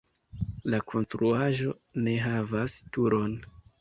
La konstruaĵo ne havas turon.